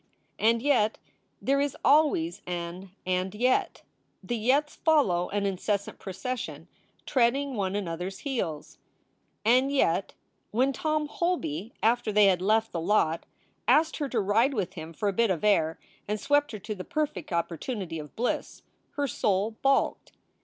And yet there is always an "and yet." The yets follow in incessant procession, treading one another s heels. And yet, when Tom Holby, after they had left the lot, asked her to ride with him for a bit of air, and swept her to the perfect opportunity of bliss, her soul balked.